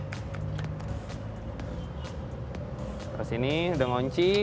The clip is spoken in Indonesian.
terus ini udah ngunci